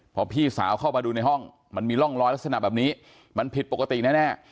พอพี่สาวเข้ามาดูในห้องมันมีร่องรอยลักษณะแบบนี้มันผิดปกติแน่